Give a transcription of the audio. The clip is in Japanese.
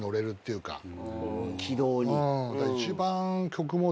軌道に？